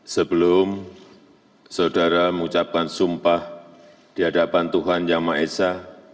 sebelum saudara mengucapkan sumpah dihadapan tuhan yang maha esa